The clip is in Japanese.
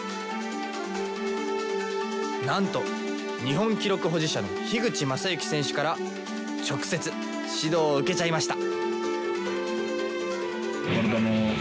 なんと日本記録保持者の口政幸選手から直接指導を受けちゃいました！